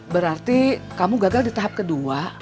berarti kamu gagal di tahap kedua